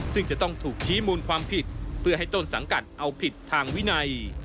ซึ่งจะต้องถูกชี้มูลความผิดเพื่อให้ต้นสังกัดเอาผิดทางวินัย